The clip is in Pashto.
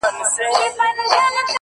o راسره جانانه ـ